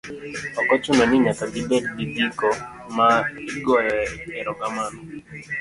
Ok ochuno ni nyaka gibed gigiko ma igoyoe erokamano